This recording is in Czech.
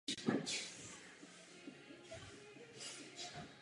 Pochopili jsme, že mezi společností a čínskými úřady probíhají konzultace.